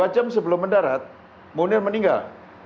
dua jam sebelum mendarat munir meninggal